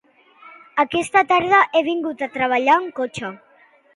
Aquesta tarda he vingut a treballar en cotxe